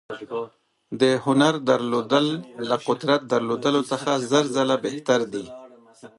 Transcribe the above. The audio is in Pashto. د هنر درلودل له قدرت درلودلو څخه زر ځله بهتر دي.